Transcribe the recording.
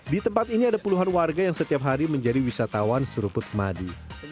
di tempat ini ada puluhan warga yang setiap hari menjadi wisatawan seruput madu